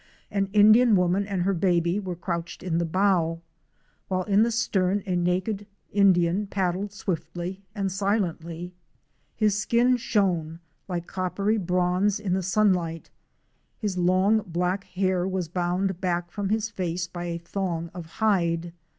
An Indian woman and her baby were crouched in the bow, while in the stern a naked Indian paddled swiftly and silently. His skin shone like coppery bronze in the sunlight, his long black hair was bound back from his face by a thong of hide.